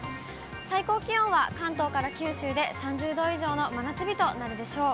最高気温は関東から九州で３０度以上の真夏日となるでしょう。